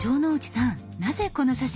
なぜこの写真を？